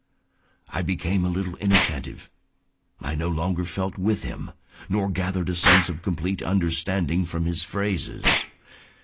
I became a little inattentive. I no longer felt with him, nor gathered a sense of complete understanding from his phrases.